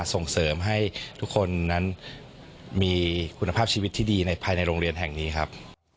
ส่งเสริมให้ทุกคนนั้นมีคุณภาพชีวิตที่ดีในภายในโรงเรียนแห่งนี้ครับ